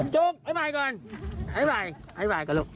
จบไอ้บ่ายก่อนไอ้บ่ายไอ้บ่ายก่อนลูก